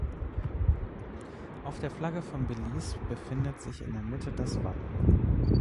Auf der Flagge von Belize befindet sich in der Mitte das Wappen.